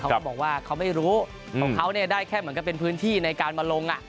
เขาบอกว่าเขาไม่รู้ของเขาเนี่ยได้แค่เหมือนกับเป็นพื้นที่ในการมาลง